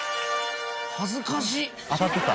恥ずかしっ！